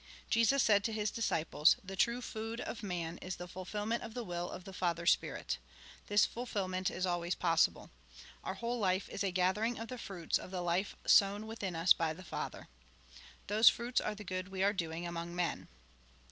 Jesus said to his disciples :" The true food of man is the fulfilment of the will of the Father Spirit. This fulfilment is always possible. Our whole life is a gathering of the fruits of the life sown within us by the Father. Those fruits are the good we are doing among men.